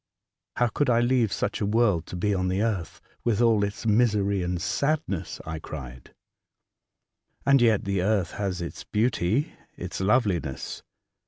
'' How could I leave such a world to be on the earth, with all its misery and sadness ?" I cried. '' And yet the earth has its beauty, its loveliness.